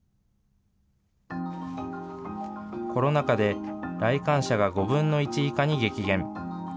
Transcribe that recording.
コロナ禍で来館者が５分の１以下に激減。